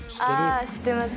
ああ知ってます